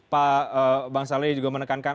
pak bang saleh juga menekankan